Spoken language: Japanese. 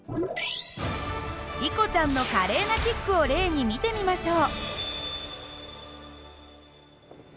リコちゃんの華麗なキックを例に見てみましょう。